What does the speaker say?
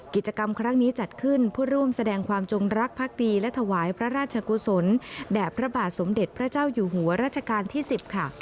กิจกรรมครั้งนี้จัดขึ้นเพื่อร่วมแสดงความจงรักภักดีและถวายพระราชกุศลแด่พระบาทสมเด็จพระเจ้าอยู่หัวราชการที่๑๐ค่ะ